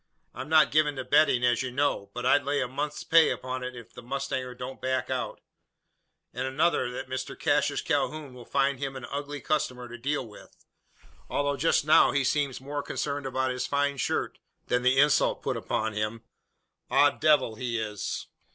I'm not given to betting, as you know; but I'd lay a month's pay upon it the mustanger don't back out; and another, that Mr Cassius Calhoun will find him an ugly customer to deal with, although just now he seems more concerned about his fine shirt, than the insult put upon him. Odd devil he is!"